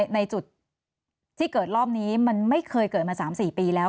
ในจุดที่เกิดรอบนี้มันไม่เคยเกิดมา๓๔ปีแล้ว